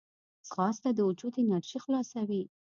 ځغاسته د وجود انرژي خلاصوي